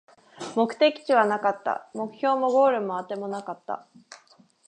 目的地はなかった、目標もゴールもあてもなかった